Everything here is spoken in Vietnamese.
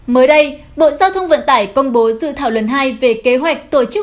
mới đây bộ giao thông vận tải công bố dự thảo lần hai về kế hoạch tổ chức